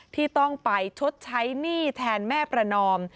ที่ต้องไปชดใช้หนี้แทนแม่ประนอม